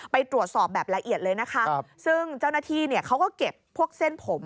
ไปตรวจสอบแบบละเอียดเลยนะคะซึ่งเจ้าหน้าที่เนี่ยเขาก็เก็บพวกเส้นผม